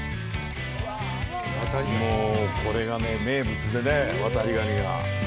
もうこれが名物でね、ワタリガニが。